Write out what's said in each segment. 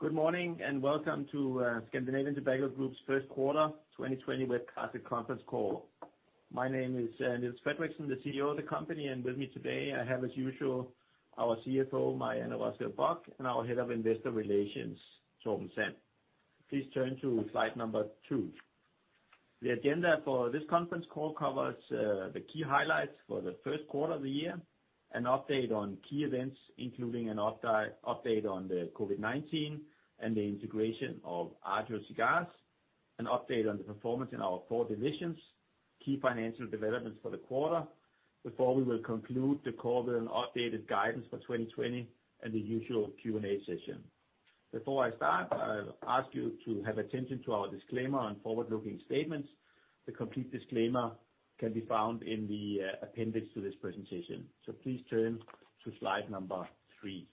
Good morning, and welcome to Scandinavian Tobacco Group's first quarter 2020 webcast and conference call. My name is Niels Frederiksen, the CEO of the company, and with me today I have, as usual, our CFO, Marianne Rørslev Bock, and our head of investor relations, Torben Sand. Please turn to slide number two. The agenda for this conference call covers the key highlights for the first quarter of the year, an update on key events, including an update on the COVID-19 and the integration of Agio Cigars, we will conclude the call with an updated guidance for 2020 and the usual Q&A session. I'll ask you to have attention to our disclaimer on forward-looking statements. The complete disclaimer can be found in the appendix to this presentation. Please turn to slide number three.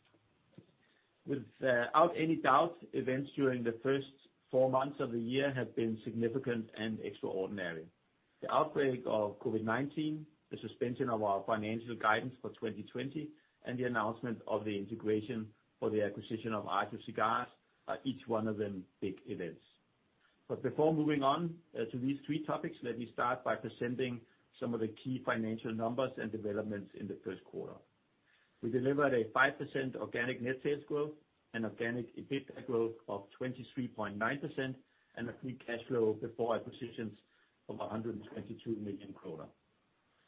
Without any doubt, events during the first four months of the year have been significant and extraordinary. The outbreak of COVID-19, the suspension of our financial guidance for 2020, and the announcement of the integration for the acquisition of Agio Cigars, are each one of them big events. Before moving on to these three topics, let me start by presenting some of the key financial numbers and developments in the first quarter. We delivered a 5% organic net sales growth and organic EBITDA growth of 23.9%, and a free cash flow before acquisitions of 122 million kroner.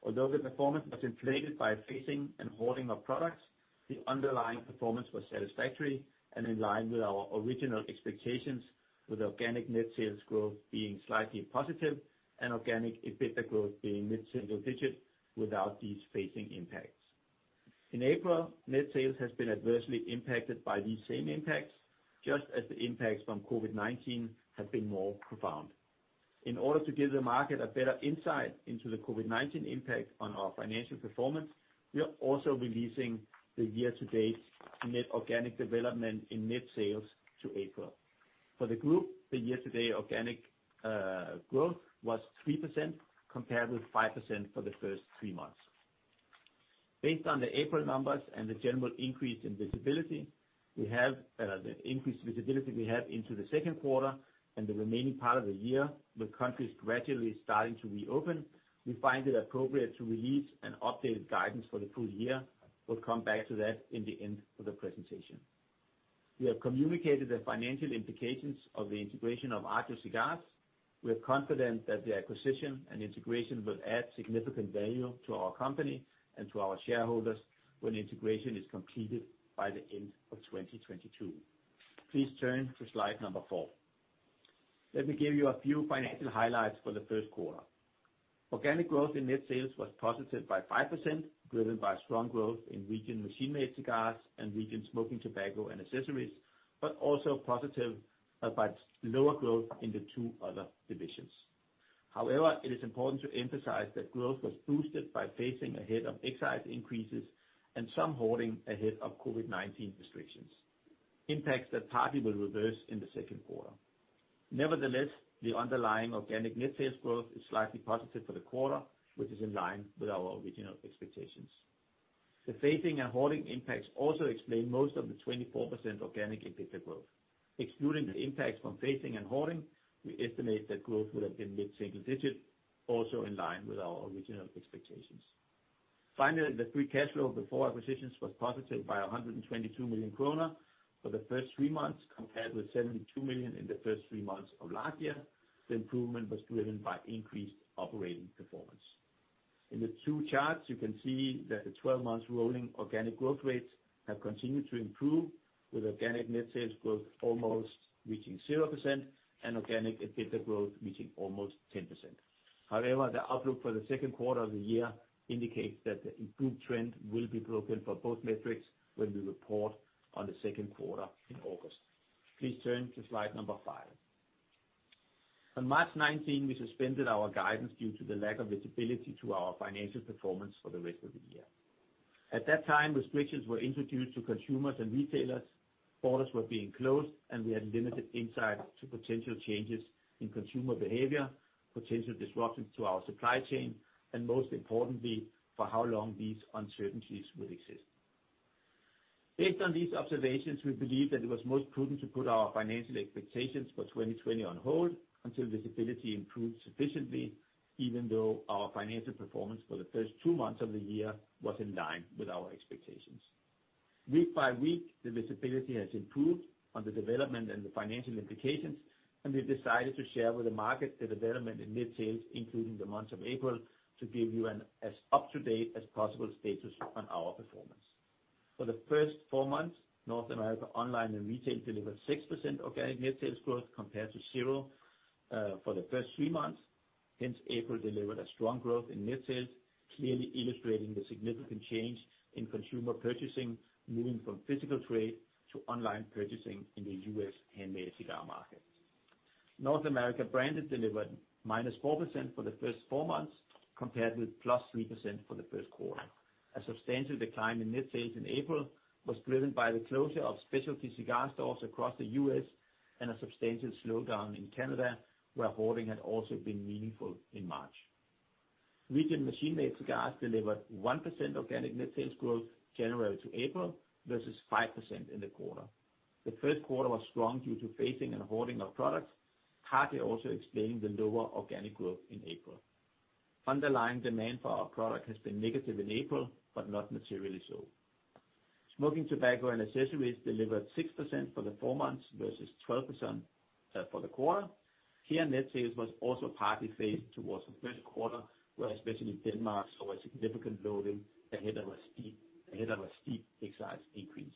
Although the performance was inflated by facing and hoarding of products, the underlying performance was satisfactory and in line with our original expectations, with organic net sales growth being slightly positive and organic EBITDA growth being mid-single digit without these facing impacts. In April, net sales has been adversely impacted by these same impacts, just as the impacts from COVID-19 have been more profound. In order to give the market a better insight into the COVID-19 impact on our financial performance, we are also releasing the year-to-date net organic development in net sales to April. For the group, the year-to-date organic growth was 3%, compared with 5% for the first three months. Based on the April numbers and the general increased visibility we have into the second quarter and the remaining part of the year, with countries gradually starting to reopen, we find it appropriate to release an updated guidance for the full year. We'll come back to that in the end of the presentation. We have communicated the financial implications of the integration of Agio Cigars. We are confident that the acquisition and integration will add significant value to our company and to our shareholders when integration is completed by the end of 2022. Please turn to slide number four. Let me give you a few financial highlights for the first quarter. Organic growth in net sales was positive by 5%, driven by strong growth in region machine-made cigars and region smoking tobacco and accessories, but also positive about lower growth in the two other divisions. However, it is important to emphasize that growth was boosted by facing ahead of excise increases and some hoarding ahead of COVID-19 restrictions, impacts that partly will reverse in the second quarter. Nevertheless, the underlying organic net sales growth is slightly positive for the quarter, which is in line with our original expectations. The facing and hoarding impacts also explain most of the 24% organic EBITDA growth. Excluding the impacts from facing and hoarding, we estimate that growth would have been mid-single digit, also in line with our original expectations. Finally, the free cash flow before acquisitions was positive by 122 million krone for the first three months, compared with 72 million in the first three months of last year. The improvement was driven by increased operating performance. In the two charts, you can see that the 12-months rolling organic growth rates have continued to improve, with organic net sales growth almost reaching 0% and organic EBITDA growth reaching almost 10%. However, the outlook for the second quarter of the year indicates that the improved trend will be broken for both metrics when we report on the second quarter in August. Please turn to slide number five. On March 19, we suspended our guidance due to the lack of visibility to our financial performance for the rest of the year. At that time, restrictions were introduced to consumers and retailers, borders were being closed, and we had limited insight to potential changes in consumer behavior, potential disruptions to our supply chain, and most importantly, for how long these uncertainties will exist. Based on these observations, we believe that it was most prudent to put our financial expectations for 2020 on hold until visibility improved sufficiently, even though our financial performance for the first two months of the year was in line with our expectations. Week by week, the visibility has improved on the development and the financial implications. We've decided to share with the market the development in net sales, including the month of April, to give you an as up-to-date as possible status on our performance. For the first four months, North America Online & Retail delivered 6% organic net sales growth compared to 0% for the first three months. Hence, April delivered a strong growth in net sales, clearly illustrating the significant change in consumer purchasing, moving from physical trade to online purchasing in the U.S. handmade cigar market. North America Branded delivered -4% for the first four months, compared with +3% for the first quarter. A substantial decline in net sales in April was driven by the closure of specialty cigar stores across the U.S. and a substantial slowdown in Canada, where hoarding had also been meaningful in March. Region Machine-Made Cigars delivered 1% organic net sales growth January to April, versus 5% in the quarter. The first quarter was strong due to phasing and hoarding of products, partly also explaining the lower organic growth in April. Underlying demand for our product has been negative in April, but not materially so. Smoking tobacco and accessories delivered 6% for the four months versus 12% for the quarter. Here, net sales was also partly phased towards the first quarter, where especially Denmark saw a significant loading ahead of a steep excise increase.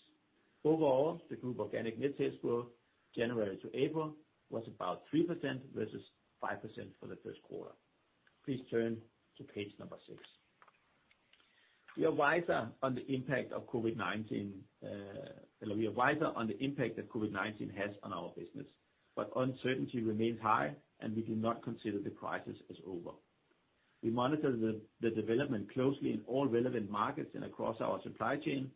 Overall, the group organic net sales growth January to April was about 3% versus 5% for the first quarter. Please turn to page number six. We are wiser on the impact that COVID-19 has on our business, but uncertainty remains high, and we do not consider the crisis is over. We monitor the development closely in all relevant markets and across our supply chain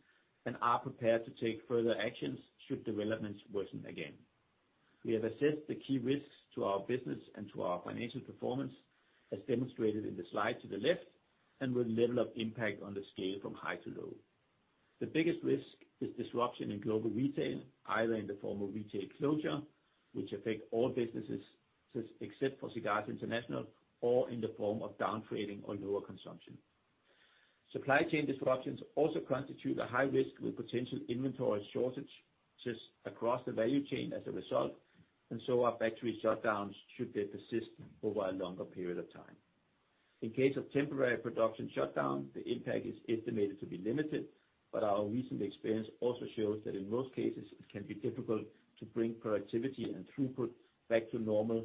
and are prepared to take further actions, should developments worsen again. We have assessed the key risks to our business and to our financial performance, as demonstrated in the slide to the left, and with level of impact on the scale from high to low. The biggest risk is disruption in global retail, either in the form of retail closure, which affect all businesses except for Cigars International, or in the form of downtrading or lower consumption. Supply chain disruptions also constitute a high risk with potential inventory shortages across the value chain as a result, and so are factory shutdowns, should they persist over a longer period of time. In case of temporary production shutdown, the impact is estimated to be limited, but our recent experience also shows that in most cases, it can be difficult to bring productivity and throughput back to normal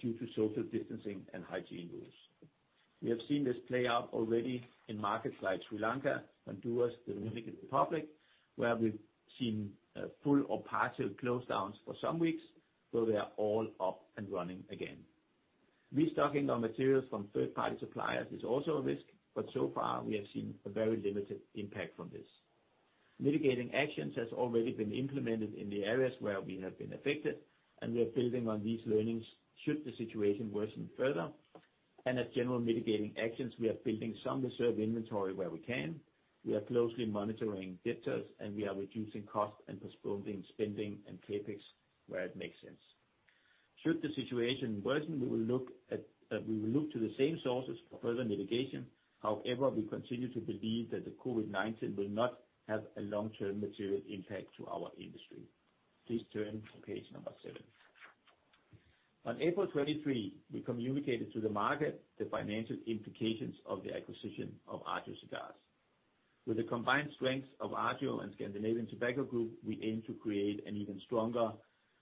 due to social distancing and hygiene rules. We have seen this play out already in markets like Sri Lanka, Honduras, Dominican Republic, where we've seen full or partial close-downs for some weeks, though they are all up and running again. Restocking on materials from third-party suppliers is also a risk, but so far, we have seen a very limited impact from this. Mitigating actions has already been implemented in the areas where we have been affected, and we are building on these learnings should the situation worsen further. As general mitigating actions, we are building some reserve inventory where we can, we are closely monitoring debtors, and we are reducing cost and postponing spending and CapEx where it makes sense. Should the situation worsen, we will look to the same sources for further mitigation. We continue to believe that the COVID-19 will not have a long-term material impact to our industry. Please turn to page seven. On April 23, we communicated to the market the financial implications of the acquisition of Agio Cigars. With the combined strengths of Agio and Scandinavian Tobacco Group, we aim to create an even stronger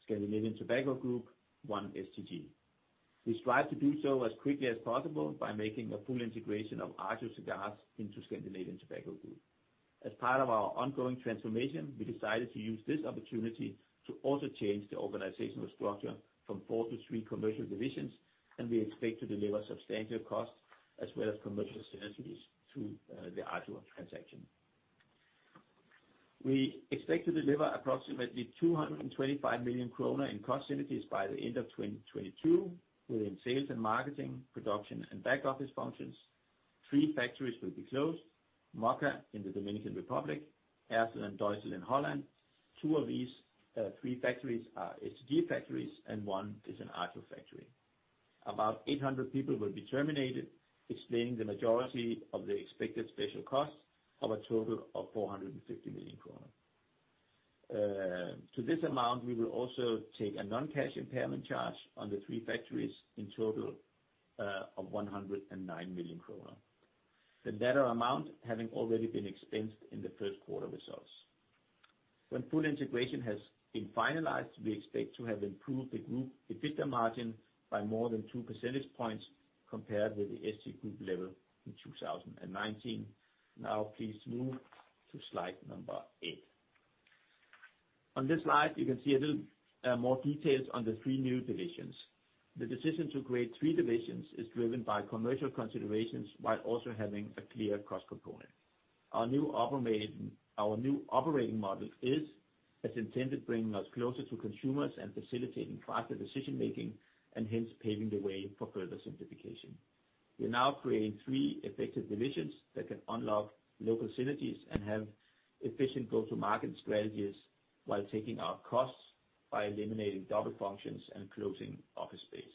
Scandinavian Tobacco Group, one STG. We strive to do so as quickly as possible by making a full integration of Agio Cigars into Scandinavian Tobacco Group. As part of our ongoing transformation, we decided to use this opportunity to also change the organizational structure from four to three commercial divisions, and we expect to deliver substantial costs, as well as commercial synergies through the Agio transaction. We expect to deliver approximately 225 million kroner in cost synergies by the end of 2022 within sales and marketing, production, and back office functions. Three factories will be closed, Moca in the Dominican Republic, Aartselaar and Duizel in the Netherlands. Two of these three factories are STG factories, and one is an Agio factory. About 800 people will be terminated, explaining the majority of the expected special costs of a total of 450 million kroner. To this amount, we will also take a non-cash impairment charge on the three factories in total of 109 million kroner. The latter amount having already been expensed in the first quarter results. When full integration has been finalized, we expect to have improved the group EBITDA margin by more than two percentage points compared with the STG group level in 2019. Please move to slide number eight. On this slide, you can see a little more details on the three new divisions. The decision to create three divisions is driven by commercial considerations while also having a clear cost component. Our new operating model is as intended, bringing us closer to consumers and facilitating faster decision-making, hence paving the way for further simplification. We are now creating three effective divisions that can unlock local synergies and have efficient go-to-market strategies while taking out costs by eliminating double functions and closing office space.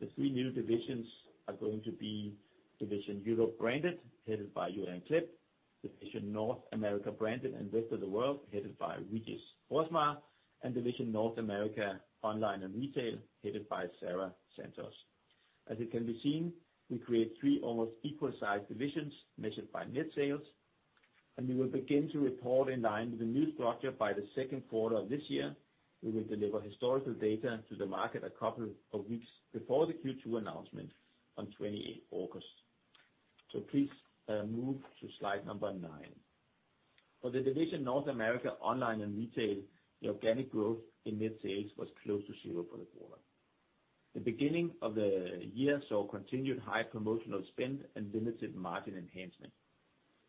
The three new divisions are going to be Division Europe Branded, headed by Jurjan Klep, Division North America Branded and Rest of the World, headed by Régis Broersma, and Division North America Online and Retail, headed by Sarah Santos. As it can be seen, we create three almost equal sized divisions measured by net sales, and we will begin to report in line with the new structure by the second quarter of this year. We will deliver historical data to the market a couple of weeks before the Q2 announcement on 28 August. Please move to slide number nine. For the Division North America Online and Retail, the organic growth in net sales was close to zero for the quarter. The beginning of the year saw continued high promotional spend and limited margin enhancement.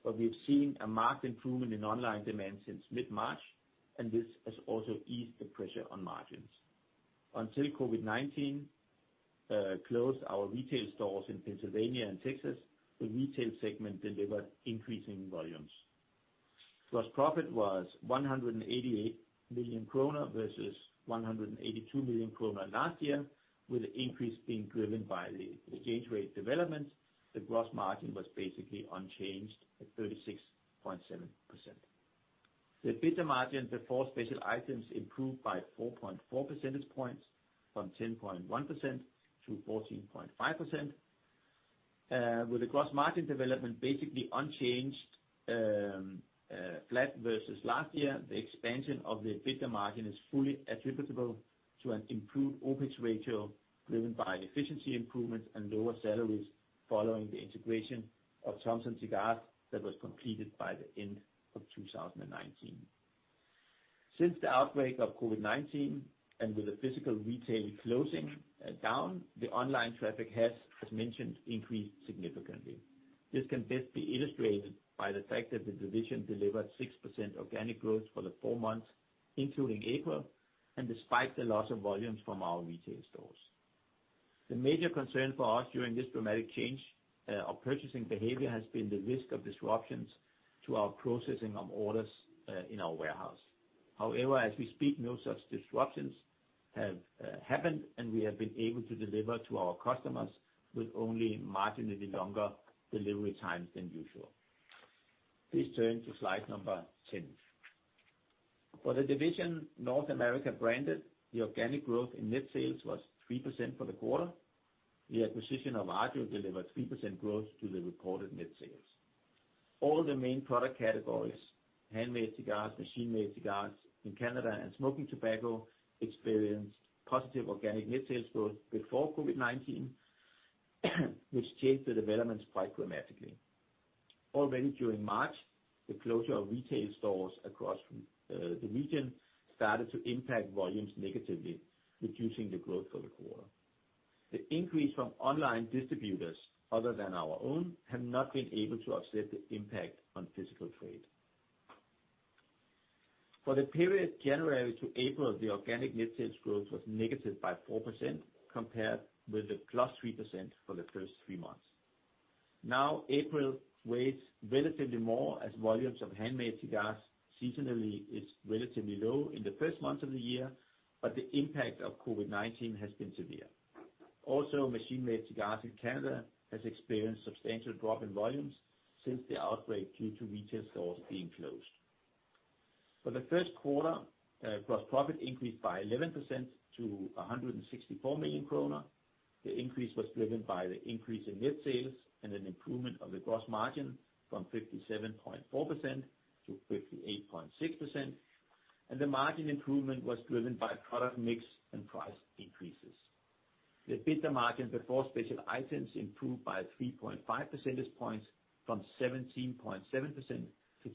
We have seen a marked improvement in online demand since mid-March, and this has also eased the pressure on margins. Until COVID-19 closed our retail stores in Pennsylvania and Texas, the retail segment delivered increasing volumes. Gross profit was 188 million krone versus 182 million krone last year, with the increase being driven by the exchange rate development. The gross margin was basically unchanged at 36.7%. The EBITDA margin before special items improved by 4.4 percentage points from 10.1%-14.5%. With the gross margin development basically unchanged, flat versus last year, the expansion of the EBITDA margin is fully attributable to an improved OPEX ratio, driven by efficiency improvements and lower salaries following the integration of Thompson Cigar that was completed by the end of 2019. Since the outbreak of COVID-19, and with the physical retail closing down, the online traffic has, as mentioned, increased significantly. This can best be illustrated by the fact that the division delivered 6% organic growth for the four months, including April, and despite the loss of volumes from our retail stores. The major concern for us during this dramatic change of purchasing behavior has been the risk of disruptions to our processing of orders in our warehouse. However, as we speak, no such disruptions have happened, and we have been able to deliver to our customers with only marginally longer delivery times than usual. Please turn to slide number 10. For the Division North America Branded, the organic growth in net sales was 3% for the quarter. The acquisition of Agio delivered 3% growth to the reported net sales. All the main product categories, handmade cigars, machine-made cigars in Canada, and smoking tobacco, experienced positive organic net sales growth before COVID-19, which changed the developments quite dramatically. Already during March, the closure of retail stores across the region started to impact volumes negatively, reducing the growth for the quarter. The increase from online distributors, other than our own, have not been able to offset the impact on physical trade. For the period January to April, the organic net sales growth was negative by 4%, compared with the +3% for the first three months. April weighs relatively more as volumes of handmade cigars seasonally is relatively low in the first months of the year, but the impact of COVID-19 has been severe. Machine-made cigars in Canada has experienced substantial drop in volumes since the outbreak due to retail stores being closed. For the first quarter, gross profit increased by 11% to 164 million kroner. The increase was driven by the increase in net sales and an improvement of the gross margin from 57.4% to 58.6%. The margin improvement was driven by product mix and price increases. The EBITDA margin before special items improved by 3.5 percentage points from 17.7% to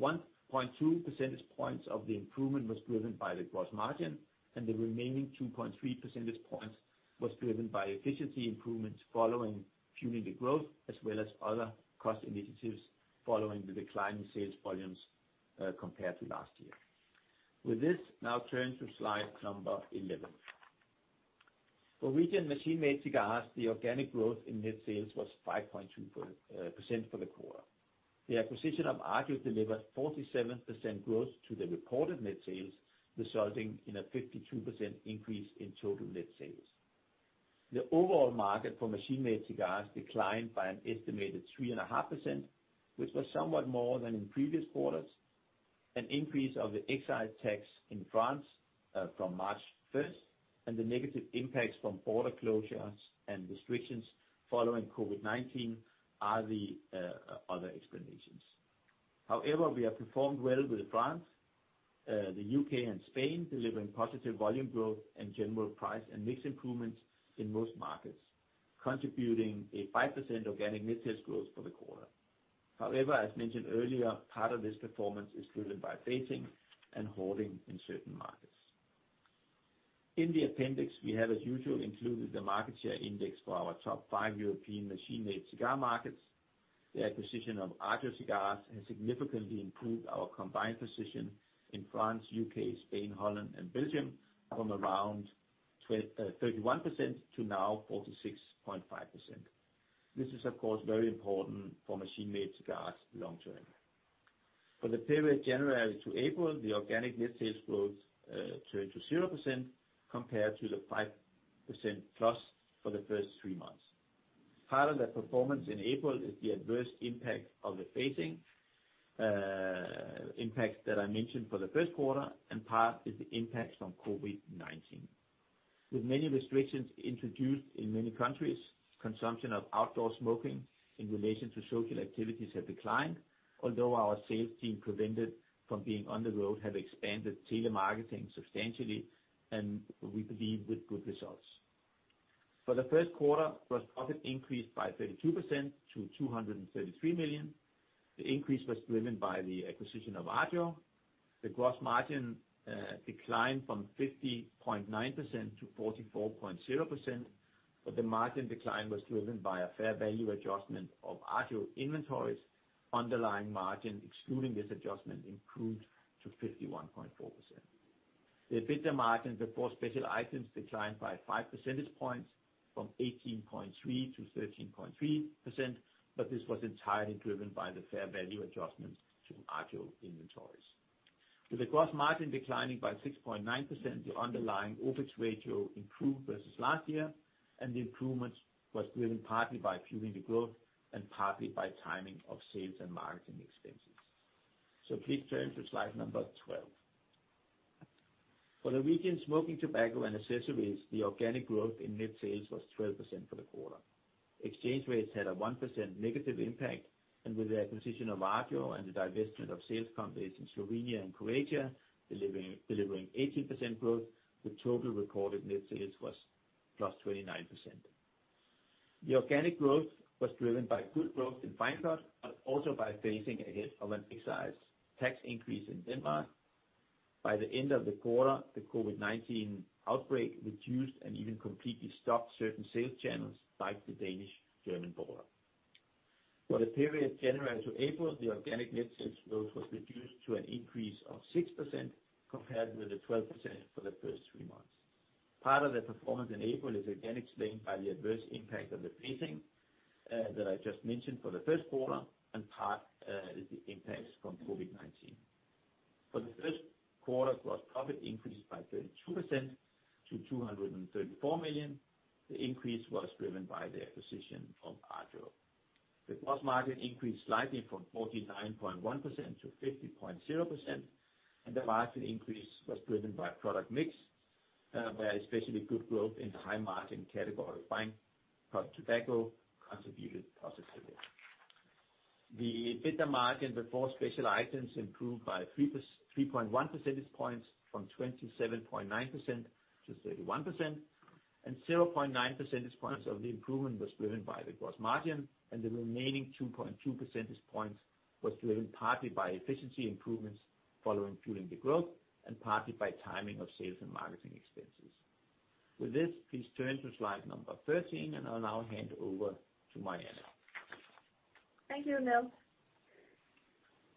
21.2%. 1.2 percentage points of the improvement was driven by the gross margin. The remaining 2.3 percentage points was driven by efficiency improvements following the growth, as well as other cost initiatives following the decline in sales volumes compared to last year. With this, now turn to slide number 11. For region machine-made cigars, the organic growth in net sales was 5.2% for the quarter. The acquisition of Agio delivered 47% growth to the reported net sales, resulting in a 52% increase in total net sales. The overall market for machine-made cigars declined by an estimated 3.5%, which was somewhat more than in previous quarters. An increase of the excise tax in France from March 1st, and the negative impacts from border closures and restrictions following COVID-19 are the other explanations. We have performed well with France, the U.K., and Spain, delivering positive volume growth and general price and mix improvements in most markets, contributing a 5% organic net sales growth for the quarter. As mentioned earlier, part of this performance is driven by phasing and holding in certain markets. In the appendix, we have as usual included the market share index for our top five European machine-made cigar markets. The acquisition of Agio Cigars has significantly improved our combined position in France, U.K., Spain, Holland, and Belgium from around 31% to now 46.5%. This is, of course, very important for machine-made cigars long term. For the period January to April, the organic net sales growth turned to 0% compared to the +5% for the first three months. Part of that performance in April is the adverse impact of the phasing impact that I mentioned for the first quarter. Part is the impact from COVID-19. With many restrictions introduced in many countries, consumption of outdoor smoking in relation to social activities have declined, although our sales team prevented from being on the road have expanded telemarketing substantially. We believe with good results. For the first quarter, gross profit increased by 32% to 233 million. The increase was driven by the acquisition of Agio. The gross margin declined from 50.9% to 44.0%. The margin decline was driven by a fair value adjustment of Agio inventories. Underlying margin, excluding this adjustment, improved to 51.4%. The EBITDA margin before special items declined by five percentage points from 18.3% to 13.3%, this was entirely driven by the fair value adjustment to Agio inventories. With the gross margin declining by 6.9%, the underlying OPEX ratio improved versus last year, the improvement was driven partly by Fuelling the Growth and partly by timing of sales and marketing expenses. Please turn to slide number 12. For the region smoking tobacco and accessories, the organic growth in net sales was 12% for the quarter. Exchange rates had a 1% negative impact, with the acquisition of Agio and the divestment of sales companies in Slovenia and Croatia delivering 18% growth, the total recorded net sales was +29%. The organic growth was driven by good growth in fine cut, also by phasing ahead of an excise tax increase in Denmark. By the end of the quarter, the COVID-19 outbreak reduced and even completely stopped certain sales channels like the Danish-German border. For the period January to April, the organic net sales growth was reduced to an increase of 6%, compared with the 12% for the first three months. Part of the performance in April is again explained by the adverse impact of the phasing that I just mentioned for the first quarter and part is the impacts from COVID-19. For the first quarter, gross profit increased by 32% to 234 million. The increase was driven by the acquisition of Agio. The gross margin increased slightly from 49.1% to 50.0%, the margin increase was driven by product mix, where especially good growth in the high margin category fine cut tobacco contributed positively. The EBITDA margin before special items improved by 3.1 percentage points from 27.9% to 31%, 0.9 percentage points of the improvement was driven by the gross margin, the remaining 2.2 percentage points was driven partly by efficiency improvements following Fuelling the Growth and partly by timing of sales and marketing expenses. With this, please turn to slide number 13, I'll now hand over to Marianne. Thank you, Niels.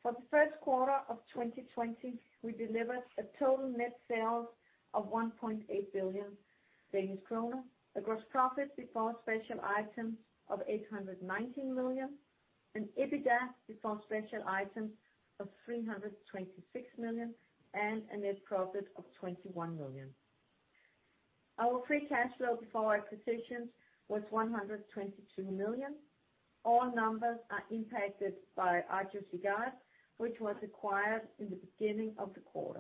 For the first quarter of 2020, we delivered a total net sales of 1.8 billion Danish krone, a gross profit before special items of 819 million, an EBITDA before special items of 326 million, a net profit of 21 million. Our free cash flow before acquisitions was 122 million. All numbers are impacted by Agio Cigars, which was acquired in the beginning of the quarter.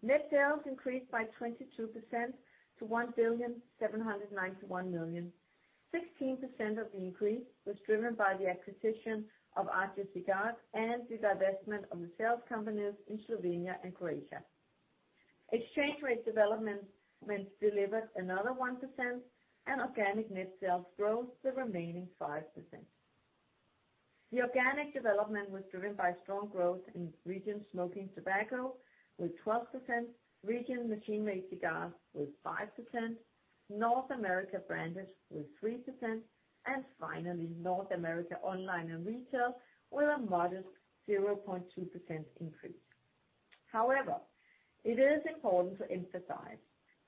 Net sales increased by 22% to 1,791,000,000. 16% of the increase was driven by the acquisition of Agio Cigars and the divestment of the sales companies in Slovenia and Croatia. Exchange rate developments delivered another 1%, organic net sales growth the remaining 5%. The organic development was driven by strong growth in region smoking tobacco with 12%, region machine-made cigars with 5%, North America Branded with 3%, finally, North America Online & Retail with a modest 0.2% increase. However, it is important to emphasize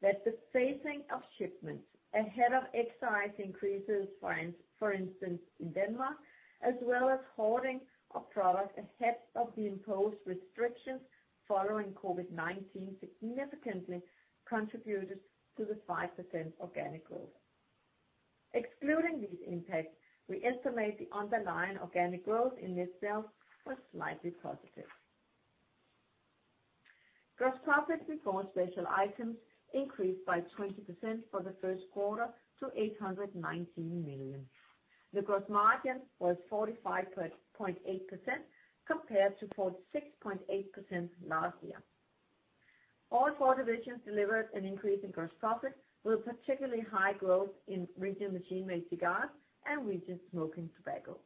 that the phasing of shipments ahead of excise increases, for instance, in Denmark, as well as hoarding of product ahead of the imposed restrictions following COVID-19 significantly contributed to the 5% organic growth. Excluding these impacts, we estimate the underlying organic growth in net sales was slightly positive. Gross profit before special items increased by 20% for the first quarter to 819 million. The gross margin was 45.8%, compared to 46.8% last year. All four divisions delivered an increase in gross profit, with particularly high growth in region machine-made cigars and region smoking tobacco.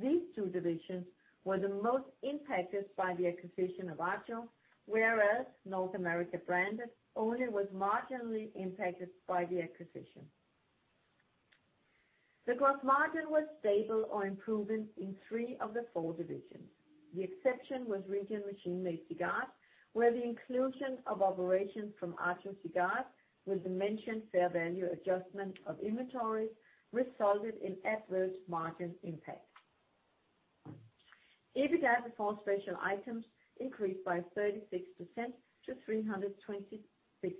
These two divisions were the most impacted by the acquisition of Agio, whereas North America Branded only was marginally impacted by the acquisition. The gross margin was stable or improving in three of the four divisions. The exception was region machine-made cigars, where the inclusion of operations from Agio Cigars with the mentioned fair value adjustment of inventories resulted in adverse margin impact. EBITDA before special items increased by 36% to 326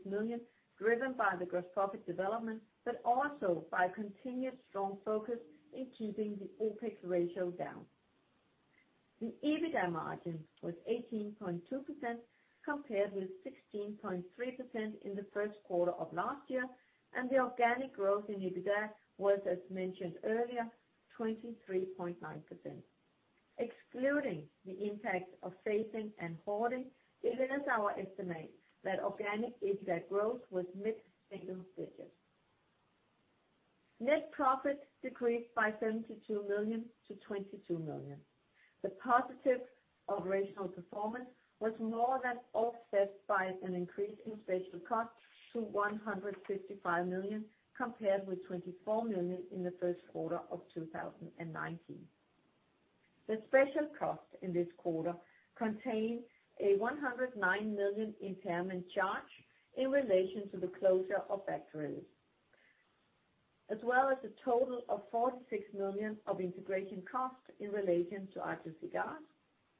million, driven by the gross profit development, but also by continued strong focus in keeping the OPEX ratio down. The EBITDA margin was 18.2%, compared with 16.3% in the first quarter of last year, and the organic growth in EBITDA was, as mentioned earlier, 23.9%. Excluding the impact of phasing and hoarding, it is our estimate that organic EBITDA growth was mid-single digits. Net profit decreased by 72 million to 22 million. The positive operational performance was more than offset by an increase in special costs to 155 million, compared with 24 million in the first quarter of 2019. The special costs in this quarter contain a 109 million impairment charge in relation to the closure of factories, as well as a total of 46 million of integration costs in relation to Agio Cigars,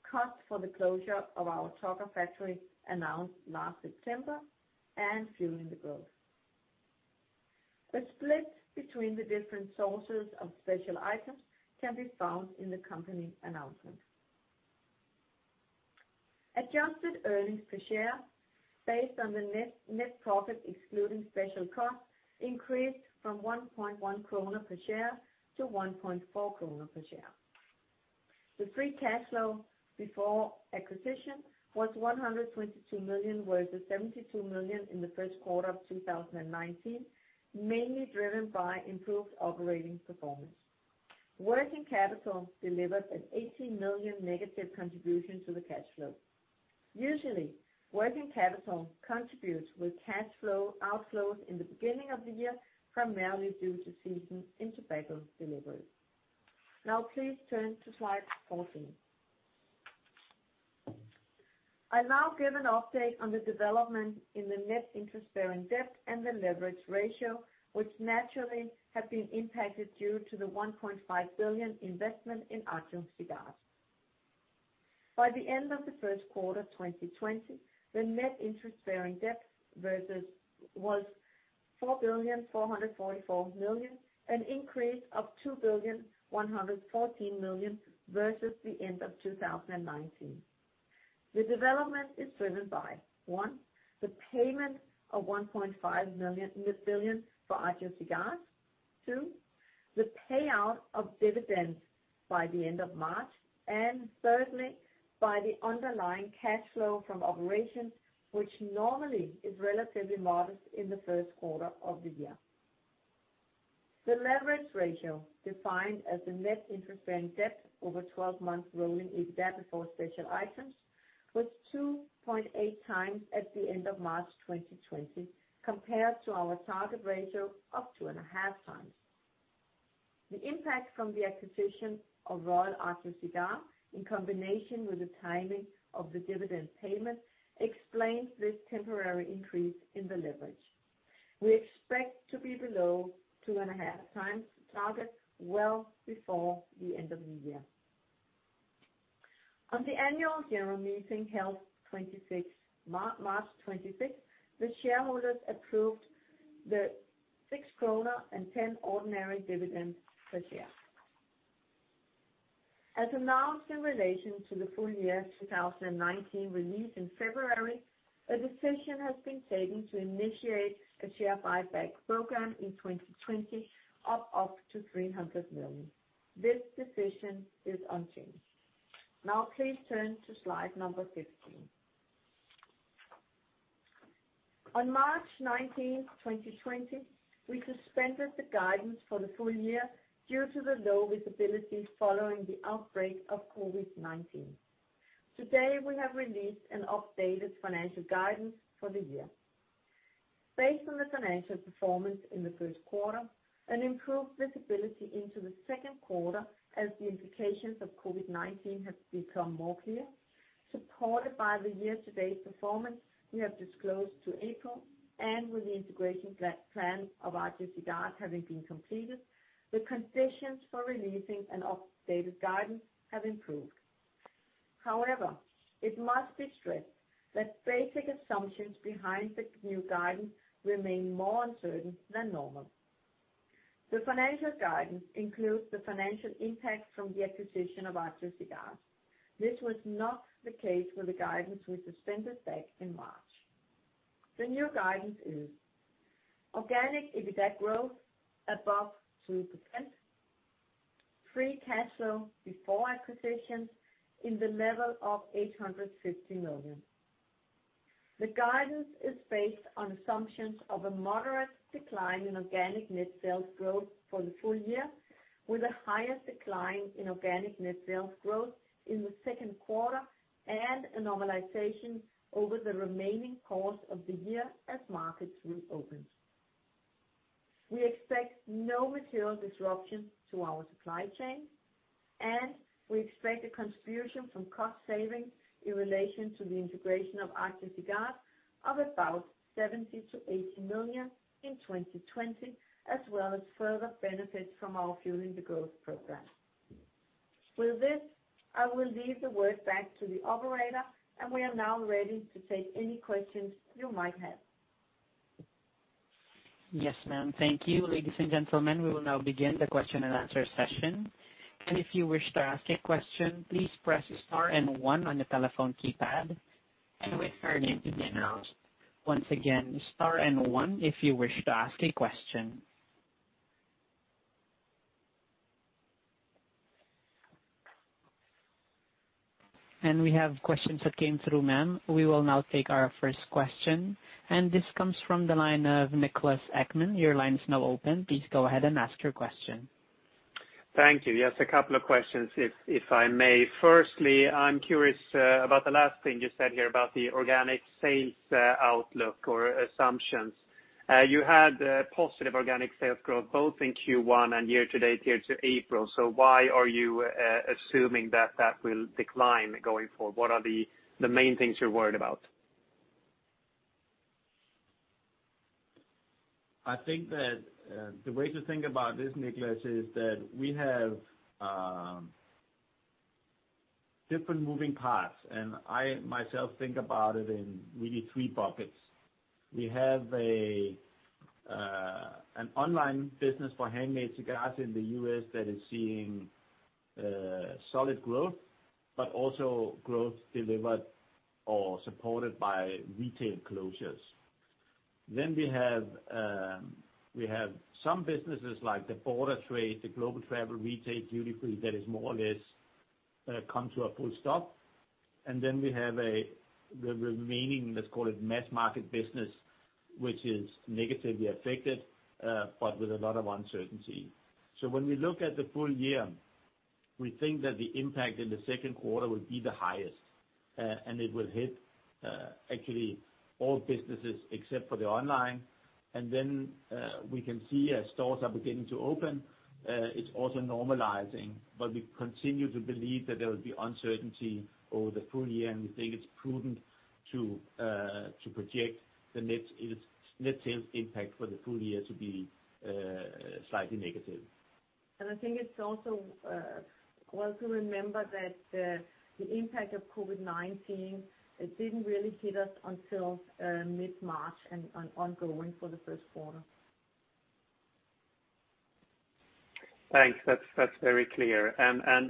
costs for the closure of our Tokyo factory announced last September, and Fuelling the Growth. A split between the different sources of special items can be found in the company announcement. Adjusted earnings per share based on the net profit, excluding special costs, increased from 1.1 kroner per share to 1.4 kroner per share. The free cash flow before acquisition was 122 million, versus 72 million in the first quarter of 2019, mainly driven by improved operating performance. Working capital delivered a 18 million negative contribution to the cash flow. Usually, working capital contributes with cash flow outflows in the beginning of the year, primarily due to season in tobacco deliveries. Now please turn to slide 14. I now give an update on the development in the net interest-bearing debt and the leverage ratio, which naturally have been impacted due to the 1.5 billion investment in Agio Cigars. By the end of the first quarter 2020, the net interest-bearing debt was 4,444 million, an increase of 2,114 million versus the end of 2019. The development is driven by, 1, the payment of 1.5 billion for Agio Cigars. 2, the payout of dividends by the end of March, and thirdly, by the underlying cash flow from operations, which normally is relatively modest in the first quarter of the year. The leverage ratio, defined as the net interest-bearing debt over 12 months rolling EBITDA before special items, was 2.8 times at the end of March 2020, compared to our target ratio of 2.5 times. The impact from the acquisition of Royal Agio Cigars, in combination with the timing of the dividend payment, explains this temporary increase in the leverage. We expect to be below 2.5 times target well before the end of the year. On the annual general meeting held March 26th, the shareholders approved the 6.10 ordinary dividend per share. As announced in relation to the full year 2019 release in February, a decision has been taken to initiate a share buyback program in 2020 of up to 300 million. This decision is unchanged. Now please turn to slide number 15. On March 19th, 2020, we suspended the guidance for the full year due to the low visibility following the outbreak of COVID-19. Today, we have released an updated financial guidance for the year. Based on the financial performance in the first quarter and improved visibility into the second quarter, as the implications of COVID-19 have become more clear, supported by the year-to-date performance we have disclosed to April, and with the integration plan of Agio Cigars having been completed, the conditions for releasing an updated guidance have improved. However, it must be stressed that basic assumptions behind the new guidance remain more uncertain than normal. The financial guidance includes the financial impact from the acquisition of Agio Cigars. This was not the case with the guidance we suspended back in March. The new guidance is organic EBITDA growth above 2%, free cash flow before acquisitions in the level of 850 million. The guidance is based on assumptions of a moderate decline in organic net sales growth for the full year, with a higher decline in organic net sales growth in the second quarter, and a normalization over the remaining course of the year as markets reopen. We expect no material disruption to our supply chain, and we expect a contribution from cost savings in relation to the integration of Agio Cigars of about 70 million to 80 million in 2020, as well as further benefits from our Fuelling the Growth program. With this, I will leave the word back to the operator, and we are now ready to take any questions you might have. Yes, ma'am. Thank you. Ladies and gentlemen, we will now begin the question and answer session. If you wish to ask a question, please press star and one on the telephone keypad and wait for your name to be announced. Once again, star and one if you wish to ask a question. We have questions that came through, ma'am. We will now take our first question, and this comes from the line of Niklas Ekman. Your line is now open. Please go ahead and ask your question. Thank you. Yes, a couple of questions, if I may. Firstly, I am curious about the last thing you said here about the organic sales outlook or assumptions. You had positive organic sales growth both in Q1 and year to date here to April. Why are you assuming that that will decline going forward? What are the main things you are worried about? I think that the way to think about this, Niklas, is that we have different moving parts, and I myself think about it in really three buckets. We have an online business for handmade cigars in the U.S. that is seeing solid growth, but also growth delivered or supported by retail closures. We have some businesses like the border trade, the global travel, retail duty-free, that has more or less come to a full stop. We have the remaining, let's call it, mass market business, which is negatively affected, but with a lot of uncertainty. When we look at the full year, we think that the impact in the second quarter will be the highest, and it will hit actually all businesses except for the online. We can see as stores are beginning to open, it's also normalizing, but we continue to believe that there will be uncertainty over the full year, and we think it's prudent to project the net sales impact for the full year to be slightly negative. I think it's also well to remember that the impact of COVID-19, it didn't really hit us until mid-March and ongoing for the first quarter. Thanks. That's very clear.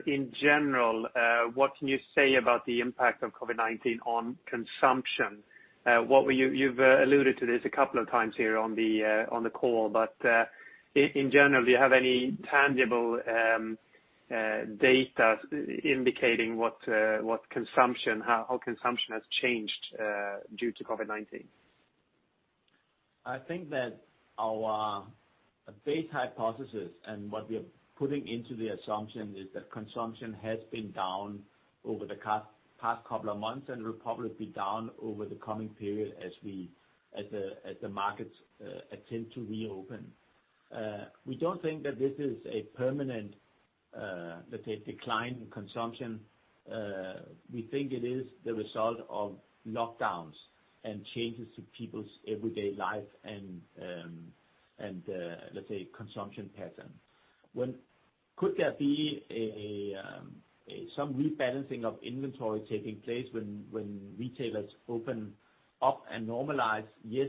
In general, what can you say about the impact of COVID-19 on consumption? You've alluded to this a couple of times here on the call, in general, do you have any tangible data indicating how consumption has changed due to COVID-19? I think that our base hypothesis and what we are putting into the assumption is that consumption has been down over the past couple of months and will probably be down over the coming period as the markets attempt to reopen. We don't think that this is a permanent decline in consumption. We think it is the result of lockdowns and changes to people's everyday life and, let's say, consumption pattern. Could there be some rebalancing of inventory taking place when retailers open up and normalize? Yes,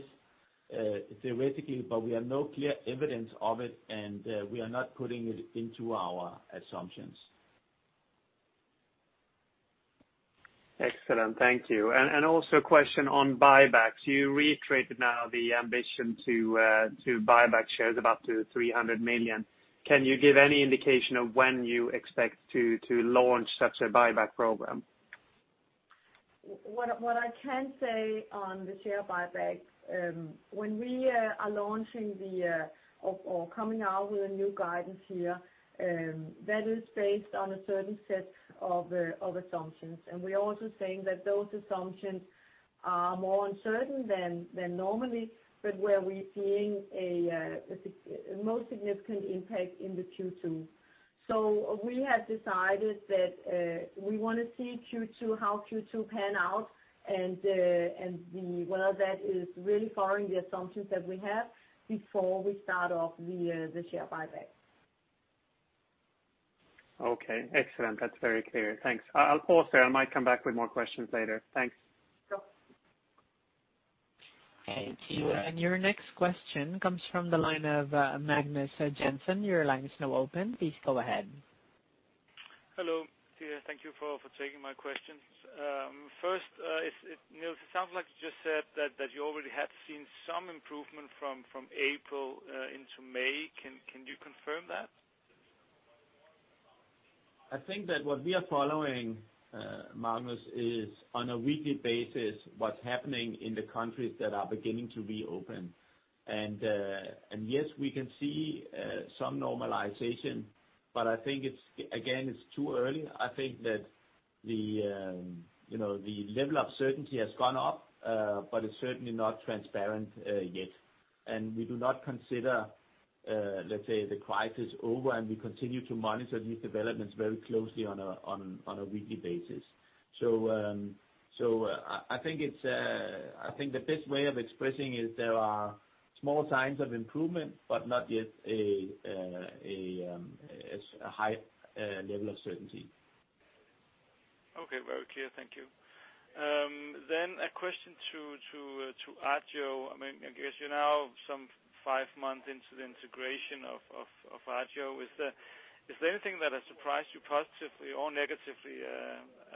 theoretically, but we have no clear evidence of it, and we are not putting it into our assumptions. Excellent. Thank you. Also a question on buybacks. You reiterated now the ambition to buy back shares about to 300 million. Can you give any indication of when you expect to launch such a buyback program? What I can say on the share buybacks, when we are launching or coming out with a new guidance here, that is based on a certain set of assumptions. We are also saying that those assumptions are more uncertain than normally, but where we're seeing a most significant impact in the Q2. We have decided that we want to see how Q2 pan out and whether that is really following the assumptions that we have before we start off the share buyback. Okay. Excellent. That's very clear. Thanks. I might come back with more questions later. Thanks. Sure. Okay. Your next question comes from the line of Magnus Jensen. Your line is now open. Please go ahead. Hello. Thank you for taking my questions. First, Nils, it sounds like you just said that you already had seen some improvement from April into May. Can you confirm that? I think that what we are following, Magnus, is on a weekly basis what's happening in the countries that are beginning to reopen. Yes, we can see some normalization, I think, again, it's too early. I think that the level of certainty has gone up, it's certainly not transparent yet. We do not consider the crisis over, and we continue to monitor these developments very closely on a weekly basis. I think the best way of expressing is there are small signs of improvement, but not yet a high level of certainty. Okay. Very clear. Thank you. A question to Agio. I guess you're now some five months into the integration of Agio. Is there anything that has surprised you positively or negatively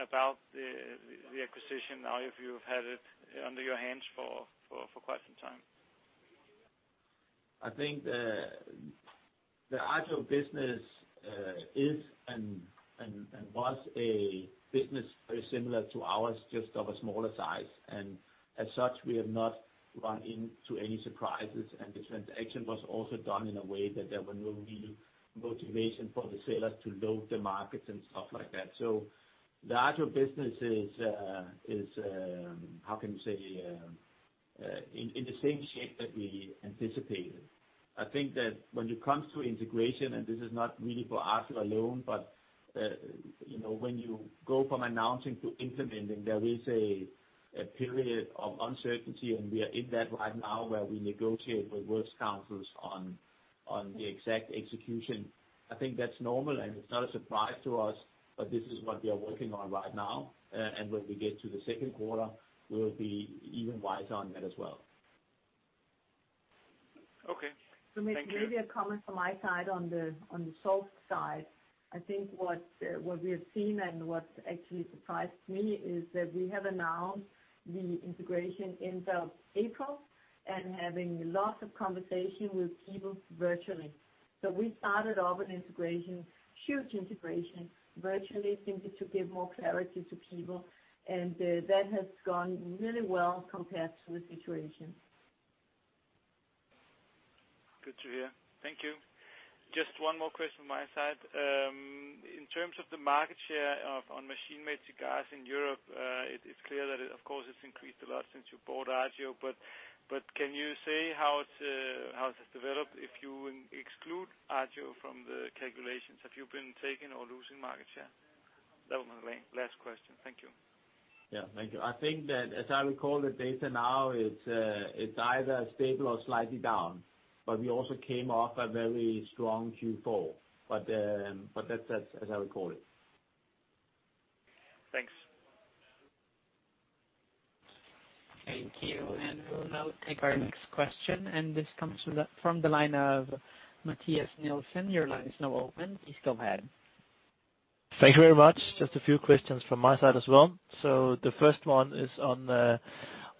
about the acquisition now, if you've had it under your hands for quite some time? I think the Agio business is and was a business very similar to ours, just of a smaller size. As such, we have not run into any surprises, and the transaction was also done in a way that there were no real motivation for the sellers to load the markets and stuff like that. The Agio business is, how can you say, in the same shape that we anticipated. I think that when it comes to integration, and this is not really for Agio alone, but when you go from announcing to implementing, there is a period of uncertainty, and we are in that right now where we negotiate with work councils on the exact execution. I think that's normal, and it's not a surprise to us, but this is what we are working on right now. When we get to the second quarter, we'll be even wiser on that as well. Okay. Thank you. To make maybe a comment from my side on the soft side, I think what we have seen and what actually surprised me is that we have announced the integration end of April and having lots of conversation with people virtually. We started off an integration, huge integration, virtually, simply to give more clarity to people, and that has gone really well compared to the situation. Good to hear. Thank you. Just one more question from my side. In terms of the market share of on machine-made cigars in Europe, it's clear that, of course, it's increased a lot since you bought Agio. Can you say how it has developed if you exclude Agio from the calculations? Have you been taking or losing market share? That was my last question. Thank you. Yeah. Thank you. I think that as I recall the data now, it's either stable or slightly down, but we also came off a very strong Q4. That's as I recall it. Thanks. Thank you. We'll now take our next question, and this comes from the line of Matthias Nielsen. Your line is now open. Please go ahead. Thank you very much. Just a few questions from my side as well. The first one is on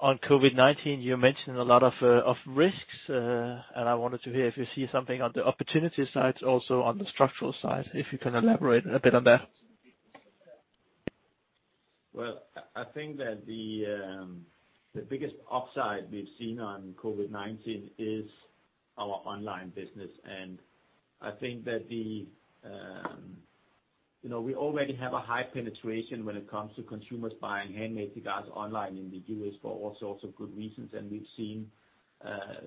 COVID-19. You mentioned a lot of risks, and I wanted to hear if you see something on the opportunity side, also on the structural side, if you can elaborate a bit on that. Well, I think that the biggest upside we've seen on COVID-19 is our online business. I think that we already have a high penetration when it comes to consumers buying handmade cigars online in the U.S. for all sorts of good reasons, and we've seen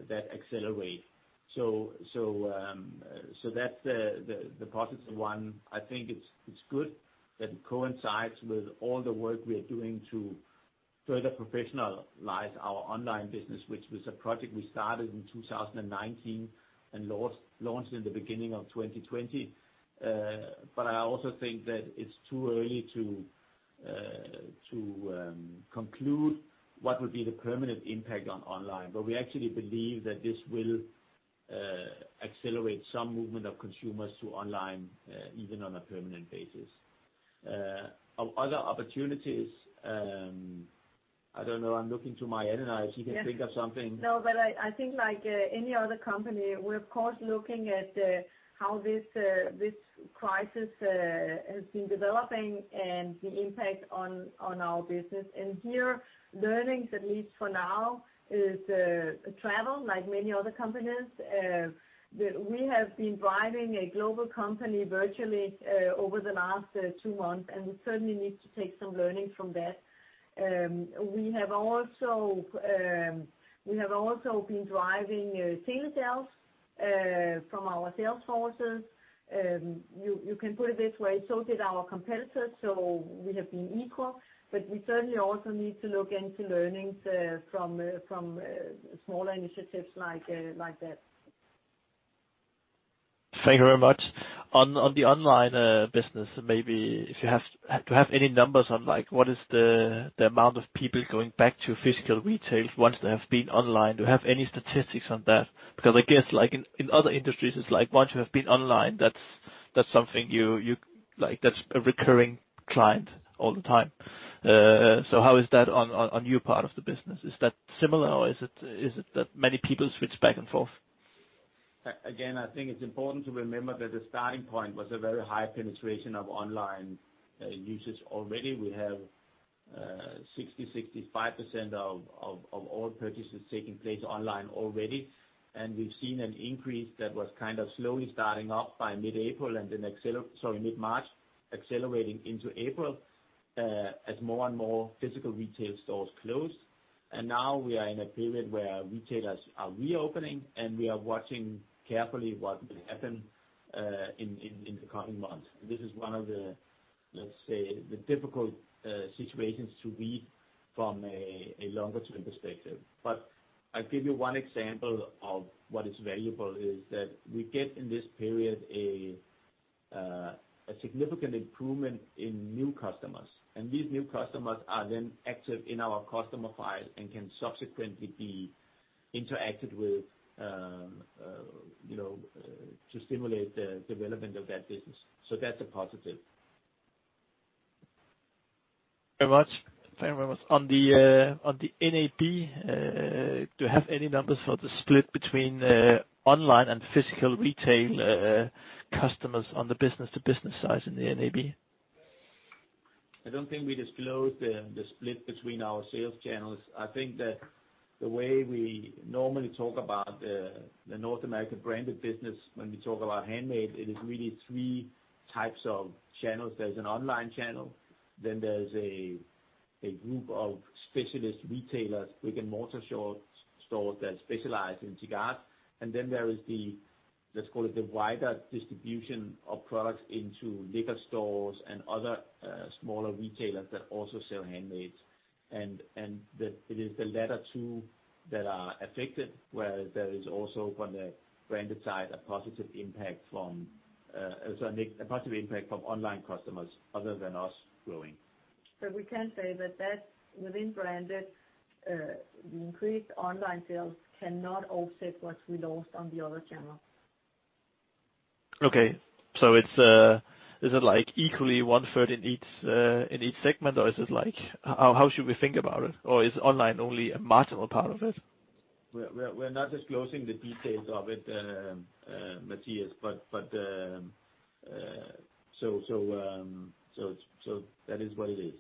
that accelerate. That's the positive one. I think it's good that it coincides with all the work we are doing to further professionalize our online business, which was a project we started in 2019 and launched in the beginning of 2020. I also think that it's too early to conclude what would be the permanent impact on online. We actually believe that this will accelerate some movement of consumers to online even on a permanent basis. Other opportunities, I don't know. I'm looking to Marianne now if she can think of something. No, I think like any other company, we're of course, looking at how this crisis has been developing and the impact on our business. Here, learnings, at least for now, is travel, like many other companies. We have been driving a global company virtually over the last two months, and we certainly need to take some learnings from that. We have also been driving sales from our sales forces. You can put it this way, so did our competitors. We have been equal, but we certainly also need to look into learnings from smaller initiatives like that. Thank you very much. On the online business, maybe do you have any numbers on what is the amount of people going back to physical retail once they have been online? Do you have any statistics on that? I guess in other industries, it's like once you have been online, that's a recurring client all the time. How is that on your part of the business? Is that similar, or is it that many people switch back and forth? I think it's important to remember that the starting point was a very high penetration of online usage already. We have 60%-65% of all purchases taking place online already, we've seen an increase that was kind of slowly starting up by mid-April and then mid-March, accelerating into April, as more and more physical retail stores closed. Now we are in a period where retailers are reopening, and we are watching carefully what will happen in the coming months. This is one of the, let's say, the difficult situations to read from a longer-term perspective. I'll give you one example of what is valuable is that we get in this period a significant improvement in new customers, and these new customers are then active in our customer files and can subsequently be interacted with to stimulate the development of that business. That's a positive. Very much. On the NAB, do you have any numbers for the split between online and physical retail customers on the business-to-business side in the NAB? I don't think we disclosed the split between our sales channels. I think that the way we normally talk about the North America Branded business when we talk about handmade, it is really 3 types of channels. There's an online channel, then there's a group of specialist retailers, brick-and-mortar stores that specialize in cigars. Then there is the, let's call it, the wider distribution of products into liquor stores and other smaller retailers that also sell handmades. It is the latter two that are affected, whereas there is also, from the branded side, a positive impact from online customers other than us growing. We can say that within Branded, increased online sales cannot offset what we lost on the other channels. Is it equally one-third in each segment, or how should we think about it? Or is online only a marginal part of it? We're not disclosing the details of it, Matthias. That is what it is.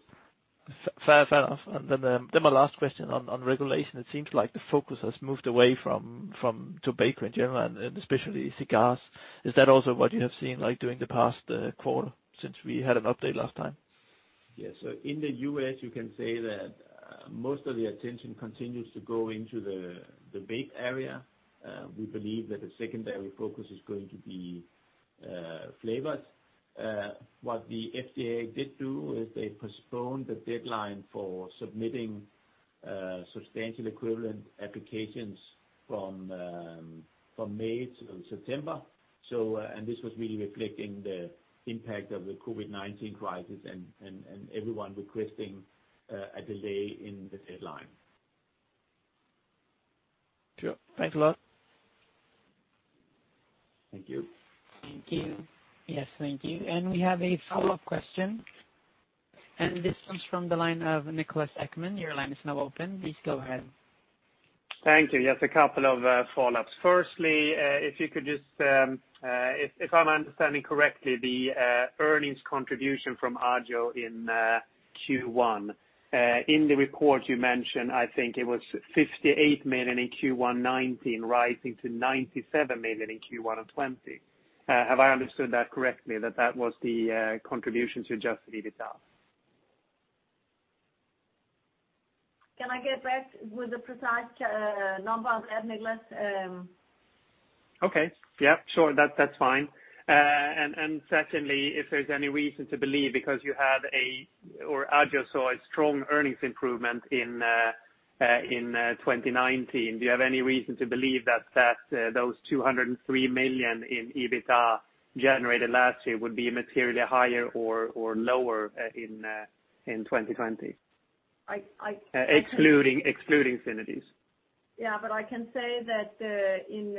My last question on regulation, it seems like the focus has moved away to tobacco in general, and especially cigars. Is that also what you have seen during the past quarter since we had an update last time? In the U.S., you can say that most of the attention continues to go into the vape area. We believe that the secondary focus is going to be flavors. What the FDA did do is they postponed the deadline for submitting substantial equivalence applications from May to September. This was really reflecting the impact of the COVID-19 crisis and everyone requesting a delay in the deadline. Sure. Thanks a lot. Thank you. Thank you. Yes, thank you. We have a follow-up question. This comes from the line of Niklas Ekman. Your line is now open. Please go ahead. Thank you. Yes, a couple of follow-ups. Firstly, if I'm understanding correctly, the earnings contribution from Agio in Q1. In the report you mentioned, I think it was 58 million in Q1 2019, rising to 97 million in Q1 of 2020. Have I understood that correctly, that that was the contribution to adjusted EBITDA? Can I get back with the precise number, Niklas? Okay. Yeah, sure. That's fine. Secondly, if there's any reason to believe, because Agio saw a strong earnings improvement in 2019, do you have any reason to believe that those 203 million in EBITDA generated last year would be materially higher or lower in 2020? I- Excluding synergies. Yeah, I can say that in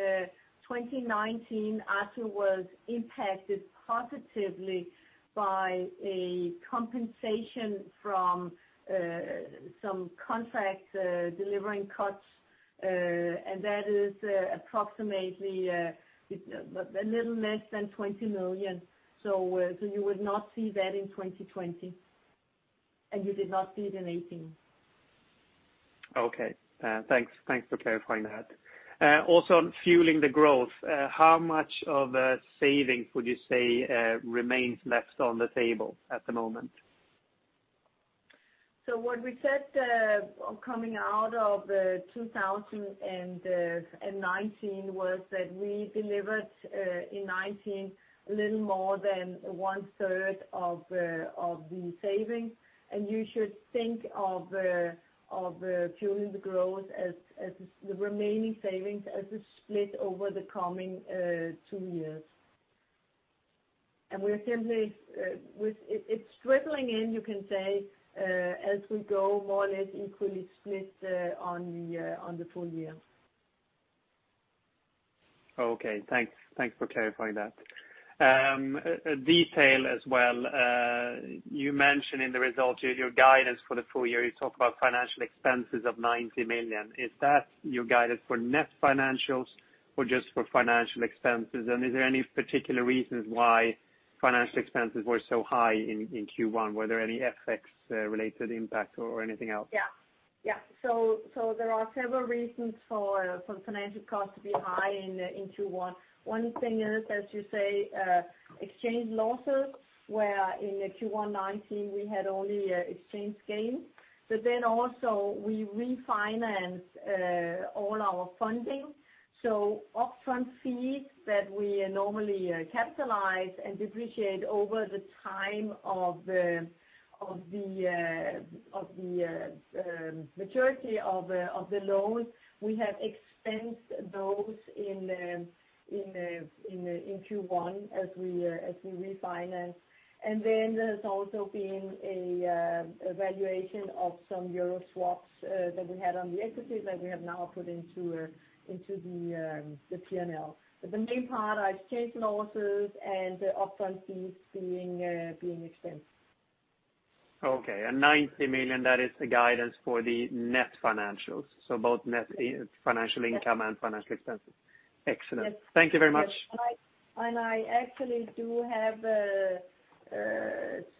2019, Agio was impacted positively by a compensation from some contract delivering cuts. That is approximately a little less than 20 million. You would not see that in 2020, and you did not see it in 2018. Okay. Thanks for clarifying that. Also on Fuelling the Growth, how much of a savings would you say remains left on the table at the moment? What we said, coming out of 2019, was that we delivered in 2019 a little more than one-third of the savings. You should think of Fuelling the Growth as the remaining savings as it's split over the coming two years. It's drizzling in, you can say, as we go, more or less equally split on the full year. Okay. Thanks for clarifying that. A detail as well. You mentioned in the results your guidance for the full year, you talk about financial expenses of 90 million. Is that your guidance for net financials or just for financial expenses? Is there any particular reasons why financial expenses were so high in Q1? Were there any FX related impact or anything else? Yeah. There are several reasons for financial costs to be high in Q1. One thing is, as you say, exchange losses, where in Q1 2019 we had only exchange gain. Also we refinance all our funding. Upfront fees that we normally capitalize and depreciate over the time of the maturity of the loan, we have expensed those in Q1 as we refinance. There's also been a valuation of some euro swaps that we had on the equities that we have now put into the P&L. The main part are exchange losses and the upfront fees being expensed. Okay. 90 million, that is the guidance for the net financials. Both net financial income and financial expenses. Excellent. Yes. Thank you very much. I actually do have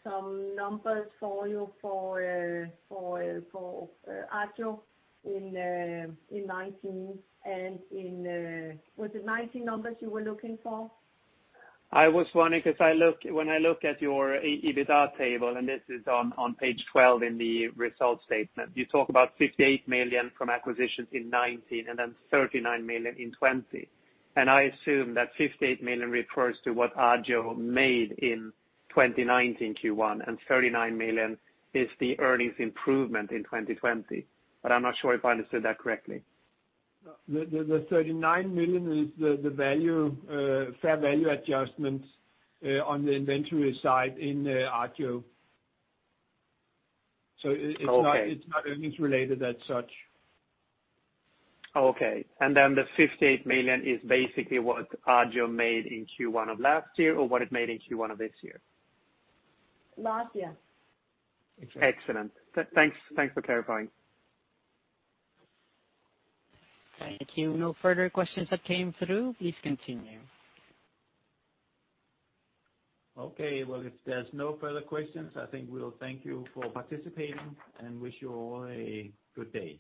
some numbers for you for Agio in 2019. Was it 2019 numbers you were looking for? I was wondering because when I look at your EBITDA table, this is on page 12 in the results statement, you talk about 58 million from acquisitions in 2019, then 39 million in 2020. I assume that 58 million refers to what Agio made in 2019 Q1, 39 million is the earnings improvement in 2020. I'm not sure if I understood that correctly. The 39 million is the fair value adjustments on the inventory side in Agio. Okay. It's not earnings related as such. Okay. Then the 58 million is basically what Agio made in Q1 of last year, or what it made in Q1 of this year? Last year. Excellent. Thanks for clarifying. Thank you. No further questions that came through. Please continue. Okay. Well, if there's no further questions, I think we'll thank you for participating and wish you all a good day.